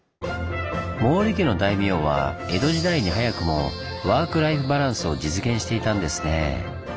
毛利家の大名は江戸時代に早くもワーク・ライフ・バランスを実現していたんですねぇ。